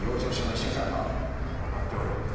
わかっておる。